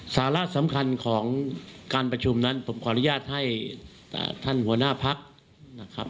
สาระสำคัญของการประชุมนั้นผมขออนุญาตให้ท่านหัวหน้าพักนะครับ